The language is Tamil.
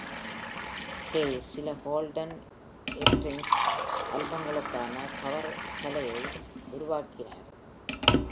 ஹே சில கோல்டன் ஏற்ரிங்'ஸ் ஆல்பங்களுக்கான கவர் கலையை உருவாக்கினார்.